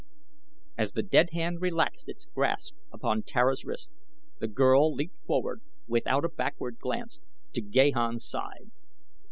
As the dead hand relaxed its grasp upon Tara's wrist the girl leaped forward, without a backward glance, to Gahan's side.